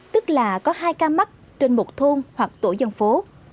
tức là có hai ca mắc trên một thôn hoặc tổ dân phố